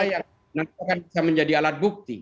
yang nanti akan bisa menjadi alat bukti